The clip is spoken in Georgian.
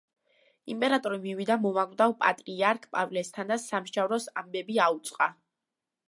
იმპერატორი მივიდა მომაკვდავ პატრიარქ პავლესთან და სამსჯავროს ამბები აუწყა.